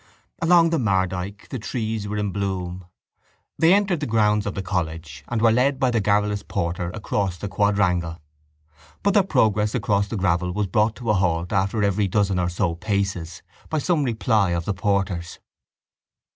Along the Mardyke the trees were in bloom. They entered the grounds of the college and were led by the garrulous porter across the quadrangle. But their progress across the gravel was brought to a halt after every dozen or so paces by some reply of the porter's.